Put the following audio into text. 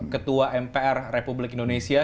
ketua mpr republik indonesia